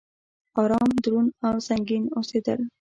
ارام، دروند او سنګين اوسيدل